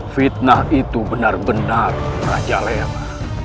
fitnah itu benar benar raja lema